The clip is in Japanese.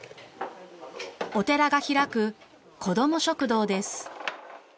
お寺が開くこども食堂です。